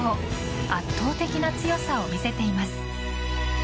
圧倒的な強さを見せています。